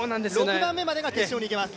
６番目までが決勝にいけます。